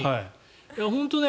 本当に。